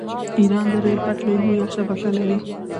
ایران د ریل پټلۍ لویه شبکه لري.